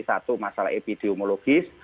satu masalah epidemiologis